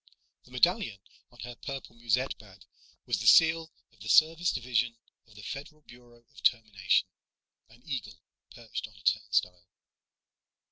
The medallion on her purple musette bag was the seal of the Service Division of the Federal Bureau of Termination, an eagle perched on a turnstile.